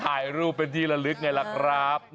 ถ่ายรูปเป็นที่ละลึกไงล่ะครับ